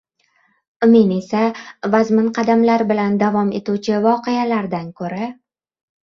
Men esa vazmin qadamlar bilan davom etuvchi voqealardan ko‘ra